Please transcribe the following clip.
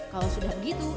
kalau sudah begitu